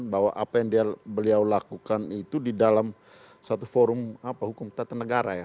bahwa apa yang beliau lakukan itu di dalam satu forum hukum tata negara ya